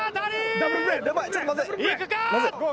ダブルプレー！